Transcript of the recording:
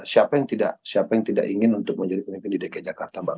siapa yang tidak ingin menjadi pemimpin di dki jakarta mbak